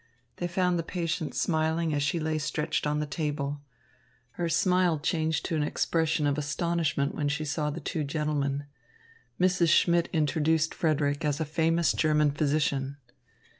They found the patient smiling as she lay stretched on the table. Her smile changed to an expression of astonishment when she saw the two gentlemen. Mrs. Schmidt introduced Frederick as a famous German physician.